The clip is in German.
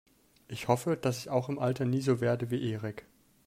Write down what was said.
Ich hoffe, dass ich auch im Alter nie so werde wie Erik.